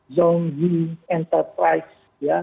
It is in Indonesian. zhongyi enterprise ya